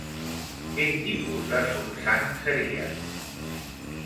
Quin tipus de Sunsang seria?